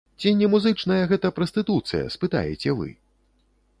Ці не музычная гэта прастытуцыя, спытаеце вы?